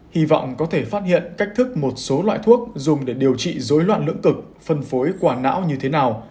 hy vọng có thể phát hiện cách thức một số loại thuốc dùng để điều trị dối loạn lưỡng cực phân phối quả não như thế nào